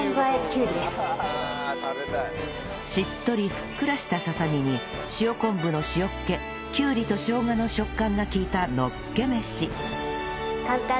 しっとりふっくらしたささみに塩昆布の塩っ気きゅうりとしょうがの食感が利いたのっけ飯